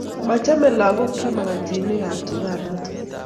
machamei lagookchu makatinikab tuketnoto